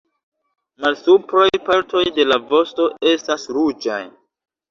Malsupraj partoj de la vosto estas ruĝaj.